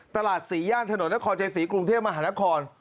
ตลาด๔ย่านถนนนครใจศรีกรุงเทพมหานคร